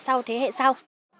và sau thế hệ sau